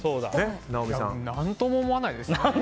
何とも思わないですね。